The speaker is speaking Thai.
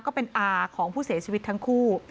ก็เป็นอาของผู้เสียชีวิตทั้งคู่